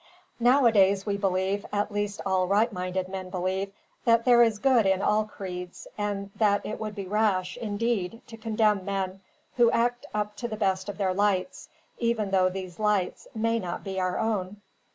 Nowadays we believe at least all right minded men believe that there is good in all creeds; and that it would be rash, indeed, to condemn men who act up to the best of their lights, even though those lights may not be our own.